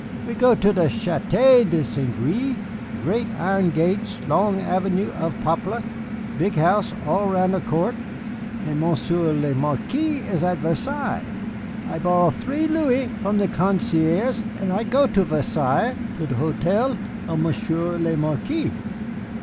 I go to the Château de St. Gré great iron gates, long avenue of poplar, big house all 'round a court, and Monsieur le Marquis is at Versailles. I borrow three louis from the concierge, and I go to Versailles to the hotel of Monsieur le Marquis.